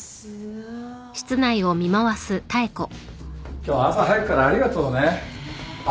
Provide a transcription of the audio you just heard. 今日朝早くからありがとうね。